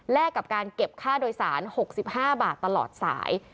กับการเก็บค่าโดยสาร๖๕บาทตลอดสาย